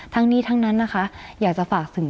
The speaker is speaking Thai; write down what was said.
ทั้งนี้ทั้งนั้นนะคะอยากจะฝากถึง